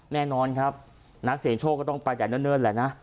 แน่นอนครับนักเสียงโชคก็ต้องไปแต่เนิ่นแหละนะ